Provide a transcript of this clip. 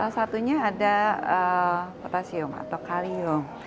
satunya ada potasium atau kalium